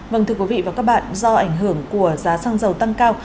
vâng thưa quý vị và các bạn do ảnh hưởng của giá xăng dầu tăng cao